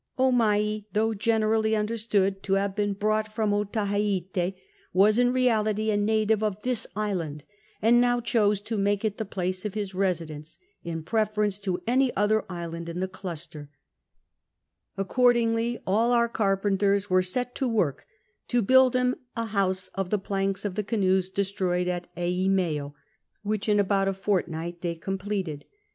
Omai, though generally understood to have been bron^t 128 CAPTAm COOK CHAP. from Otaheite, was in reality a native of this island ; and now chose to make it the place of his I'esidence in preference to any other island in the cluster ; accordingly all our car penters were set to work to build him a house of the planks of the canoes destroyed at Eimeo ; which in about a fort night they completed.